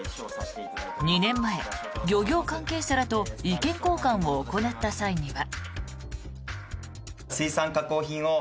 ２年前、漁業関係者らと意見交換を行った際には。